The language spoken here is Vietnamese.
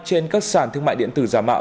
trên các sản thương mại điện tử giả mạo